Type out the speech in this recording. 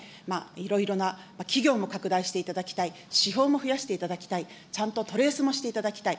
いろいろな企業も拡大していただきたい、指標も増やしていただきたい、ちゃんとトレースもしていただきたい。